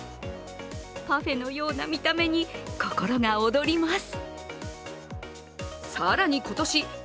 パフェのような見た目に心が躍ります。